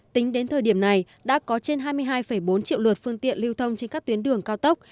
tính đến thời điểm này đã có trên hai mươi hai bốn triệu lượt phương tiện lưu thông trên các tuyến đường cao tốc